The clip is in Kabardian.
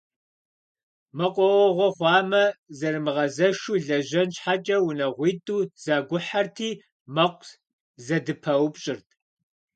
Мэкъуауэгъуэ хъуамэ, зэрымыгъэзэшу лэжьэн щхьэкӀэ унагъуитӀу зэгухьэрти, мэкъу зэдыпаупщӀырт.